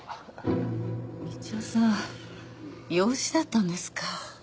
道夫さん養子だったんですか。